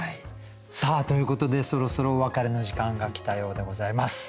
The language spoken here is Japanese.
ということでそろそろお別れの時間が来たようでございます。